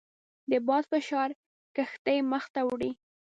د باد فشار کښتۍ مخ ته وړي.